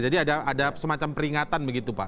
jadi ada semacam peringatan begitu pak